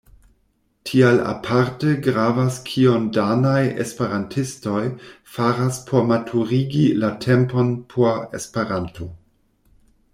Tial aparte gravas kion danaj esperantistoj faras por maturigi la tempon por Esperanto.